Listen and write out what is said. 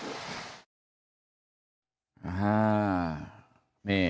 นี่สิละช้าง